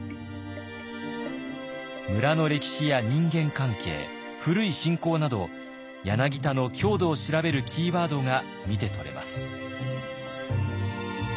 村の歴史や人間関係古い信仰など柳田の郷土を調べるキーワードが見て取れます。